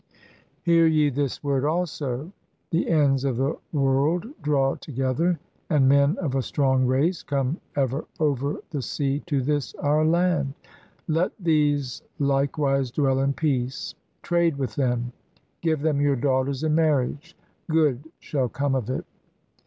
"Hear ye this word also. The ends of the world draw together, and men of a strong race come ever over the sea to this our land. Let these likewise dwell in peace. Trade with them. Give them your daughters in mar riage. Good shall come of it.